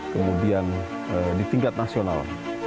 kemudian di tingkat nasional